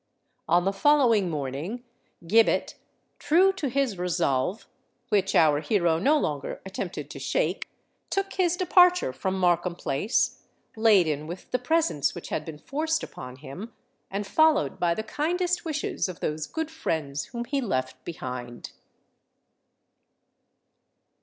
On the following morning, Gibbet—true to his resolve, which our hero no longer attempted to shake—took his departure from Markham Place, laden with the presents which had been forced upon him, and followed by the kindest wishes of those good friends whom he left behind.